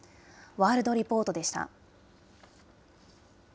ワールドリポートでした。